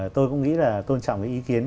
tôi cũng nghĩ là tôn trọng cái ý kiến